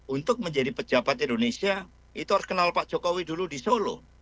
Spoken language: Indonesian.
untuk menjadi pejabat indonesia itu harus kenal pak jokowi dulu di solo